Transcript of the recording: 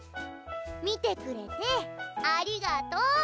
見てくれてありがとう。